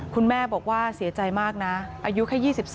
คุณแม่บอกว่าเสียใจมากนะอายุแค่๒๓